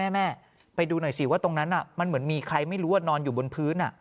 แม่ไปดูหน่อยสิว่าตรงนั้นมันเหมือนมีใครไม่รู้ว่านอนอยู่บนพื้น